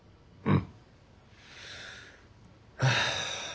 うん。